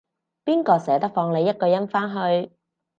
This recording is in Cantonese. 邊個捨得放你一個人返去